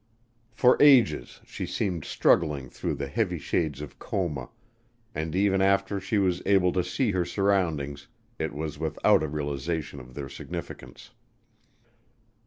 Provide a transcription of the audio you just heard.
For ages she seemed struggling through the heavy shades of coma, and even after she was able to see her surroundings, it was without a realization of their significance.